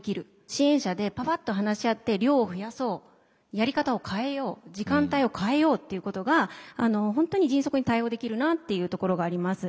支援者でパパッと話し合って量を増やそうやり方を変えよう時間帯を変えようっていうことが本当に迅速に対応できるなというところがあります。